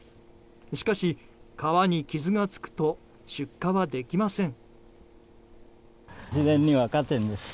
しかし、皮に傷がつくと出荷はできません。